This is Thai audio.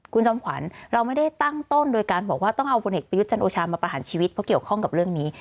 คุณจอมขวัญเราไม่ได้ตั้งต้นโดยการบอกว่าต้องเอาผลเอกประยุทธ์จันโอชามาประหารชีวิตเพราะเกี่ยวข้องกับเรื่องนี้